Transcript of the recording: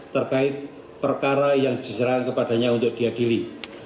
terkait perkara yang diserahkan kepadanya untuk diadili